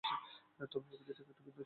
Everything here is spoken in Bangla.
তবে প্রকৃতিটা একটু ভিন্ন ছিল।